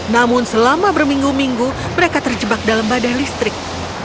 namun selama berminggu minggu mereka terjebak dalam badai listrik